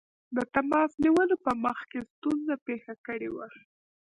د تماس نیولو په مخ کې ستونزه پېښه کړې وه.